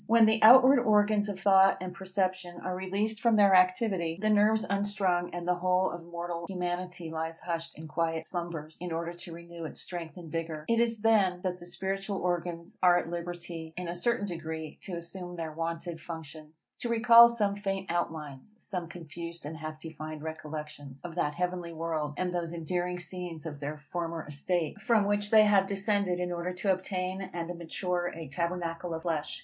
When the outward organs of thought and perception are released from their activity, the nerves unstrung, and the whole of mortal humanity lies hushed in quiet slumbers, in order to renew its strength and vigour, it is then that the spiritual organs are at liberty, in a certain degree, to assume their wonted functions, to recall some faint outlines, some confused and half defined recollections, of that heavenly world, and those endearing scenes of their former estate, from which they have descended in order to obtain and mature a tabernacle of flesh.